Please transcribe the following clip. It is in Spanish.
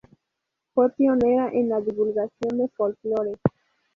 Fue pionera en la divulgación del folclore.